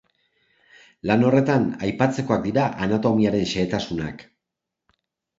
Lan horretan aipatzekoak dira anatomiaren xehetasunak.